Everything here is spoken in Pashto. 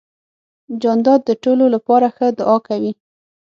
جانداد د ټولو لپاره ښه دعا کوي.